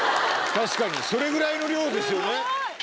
確かにそれぐらいの量ですよね。